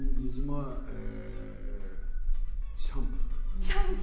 シャンプー？